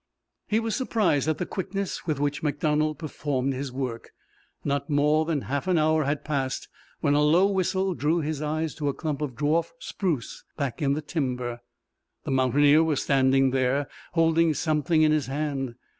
He was surprised at the quickness with which MacDonald performed his work. Not more than half an hour had passed when a low whistle drew his eyes to a clump of dwarf spruce back in the timber. The mountaineer was standing there, holding something in his hand.